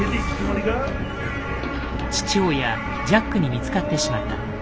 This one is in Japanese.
父親・ジャックに見つかってしまった。